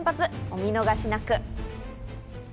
お見逃しなく。